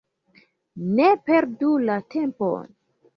Ne perdu la tempon!